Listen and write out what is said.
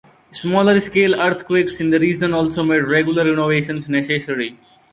Smaller-scale earthquakes in the region also made regular renovations necessary.